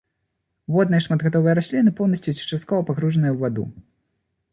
Водныя шматгадовыя расліны, поўнасцю ці часткова пагружаныя ў ваду.